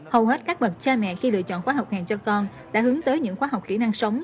hầu hết các bậc cha mẹ khi lựa chọn khóa học hàng cho con đã hướng tới những khóa học kỹ năng sống